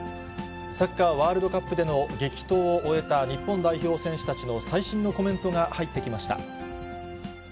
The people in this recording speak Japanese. サッカーワールドカップでの激闘を終えた日本代表選手たちの最新のコメントが入ってきました。